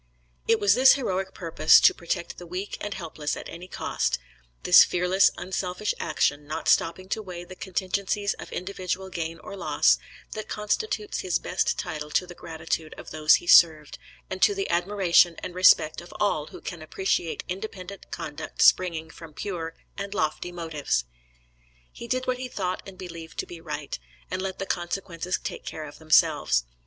It was this heroic purpose to protect the weak and helpless at any cost, this fearless unselfish action, not stopping to weigh the contingencies of individual gain or loss, that constitutes his best title to the gratitude of those he served, and to the admiration and respect of all who can appreciate independent conduct springing from pure and lofty motives. He did what he thought and believed to be right, and let the consequences take care of themselves.